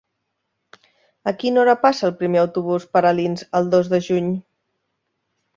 A quina hora passa el primer autobús per Alins el dos de juny?